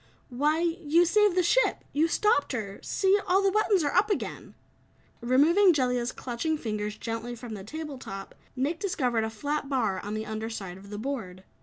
"Why, you saved the ship. You stopped her. See, all the buttons are up again!" Removing Jellia's clutching fingers gently from the table top, Nick discovered a flat bar on the under side of the board.